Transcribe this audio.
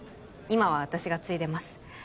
今は私が継いでます